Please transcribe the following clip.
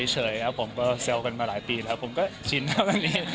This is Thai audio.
เฉยก็เซลล์กันมาหลายปีแล้วผมก็ชินแล้วแบบนี้